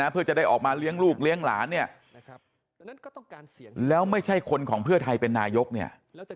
เพื่อจะได้ออกมาเลี้ยงลูกเลี้ยงหลานเนี่ยแล้วไม่ใช่คนของเพื่อไทยเป็นนายกเนี่ย